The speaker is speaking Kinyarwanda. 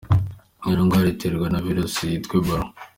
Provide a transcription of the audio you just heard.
Iyi ndwara iterwa na virusi yitwa Ebola.